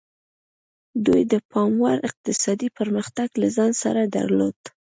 دوی د پاموړ اقتصادي پرمختګ له ځان سره درلود.